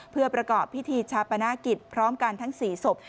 เพื่อประกอบพิธีชาปนกิจพร้อมกันทั้ง๔ศพ